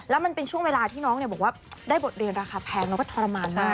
แล้วมันเป็นช่วงเวลาที่น้องบอกว่าได้บทเรียนราคาแพงแล้วก็ทรมานมาก